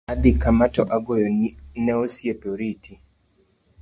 Adhi kama ka agoyo ne osiepe oriti.